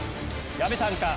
矢部さんか？